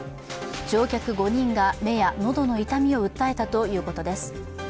乗客５人が目や喉の痛みを訴えたということです。